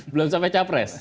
belum sampai capres